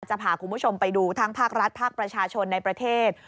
จะพาคุณผู้ชมไปดูทั้งภาครัฐภาคประชาชนในประเทศ